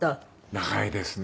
長いですね。